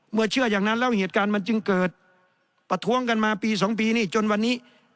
เชื่ออย่างนั้นแล้วเหตุการณ์มันจึงเกิดประท้วงกันมาปี๒ปีนี่จนวันนี้